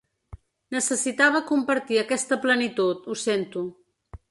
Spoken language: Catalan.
Necessitava compartir aquesta plenitud, ho sento.